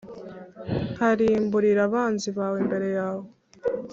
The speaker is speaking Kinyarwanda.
Nkarimburira abanzi bawe imbere yawe